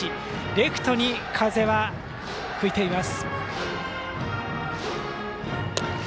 レフトに風は吹いています。